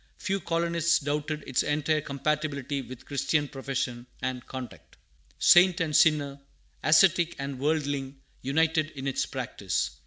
Few colonists doubted its entire compatibility with Christian profession and conduct. Saint and sinner, ascetic and worldling, united in its practice.